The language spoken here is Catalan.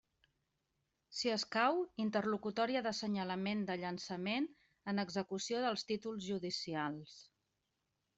Si escau, interlocutòria d'assenyalament de llançament en execució dels títols judicials.